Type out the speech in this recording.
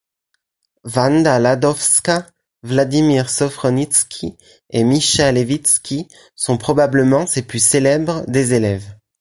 Wanda Landowska, Vladimir Sofronitsky et Mischa Levitzki sont probablement ses plus célèbres des élèves.